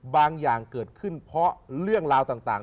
บางอย่างเกิดขึ้นเพราะเรื่องราวต่าง